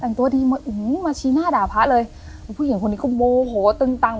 แต่งตัวดีมาอื้อหือมาชี้หน้าด่าพระเลยผู้หญิงคนนี้ก็โมโหตึงตัง